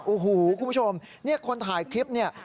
โอ้โฮคุณผู้ชมคนถ่ายคลิปนี่